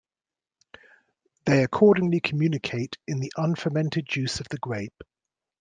They accordingly communicate in the unfermented juice of the grape.